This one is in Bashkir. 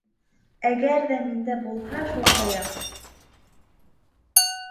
Әгәр ҙә миндә булһа шул таяҡ!